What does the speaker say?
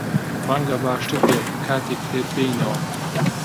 ڕەنگە باشتر بێت کاتێکی تر بێینەوە.